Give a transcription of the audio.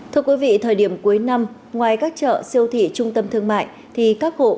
thưa quý vị thời điểm cuối năm ngoài các chợ siêu thị trung tâm thương mại thì các hộ